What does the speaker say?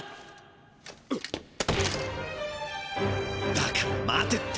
だから待てって。